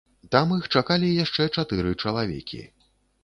Там іх чакалі яшчэ чатыры чалавекі.